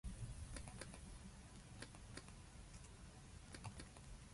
我は汝に対して我であり、汝なしには我は考えられない、そして汝は単なる客観でなく主体である。